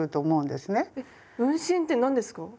えっ運針って何ですか？